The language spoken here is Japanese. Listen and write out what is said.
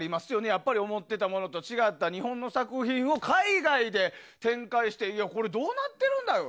やっぱり思ってたものと違った日本の作品を海外で展開してこれどうなってんだよ！